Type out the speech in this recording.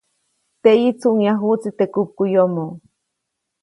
Teʼyi, tsuʼŋyajuʼtsi teʼ kupkuʼyomoʼ.